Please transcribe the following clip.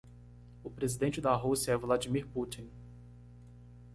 O presidente da Rússia é Vladimir Putin.